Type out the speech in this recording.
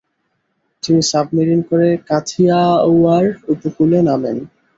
তিনি সাবমেরিন করে কাথিয়াওয়াড় উপকূলে নামেন।